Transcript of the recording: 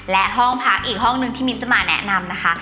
และห้องพักอีกห้องหนึ่งที่มิ้นจะมาแนะนำนะคะ